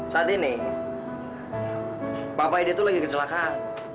saat ini papa ide itu lagi kecelakaan